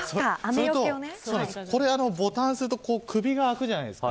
ボタンをすると首が空くじゃないですか。